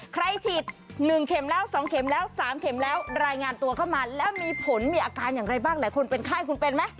ใครฉีด๑เข็มแล้ว๒เข็มแล้ว๓เข็มแล้วรายงานตัวเข้ามาแล้วมีผลมีอาการอย่างไรบ้างหลายคนเป็นไข้คุณเป็นไหม